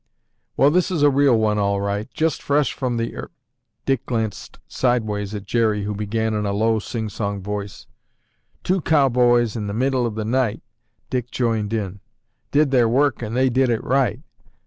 "Well, this is a real one all right. Just fresh from the—er—" Dick glanced sideways at Jerry who began in a low sing song voice: "Two cowboys in the middle of the night," Dick joined in: "Did their work and they did it right.